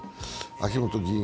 秋本議員